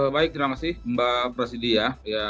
baik terima kasih mbak prasidya